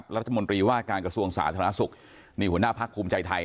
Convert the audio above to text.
รัฐมนตรีว่าการกระทรวงสารธนศัพท์หัวหน้าภักษ์ภูมิใจไทย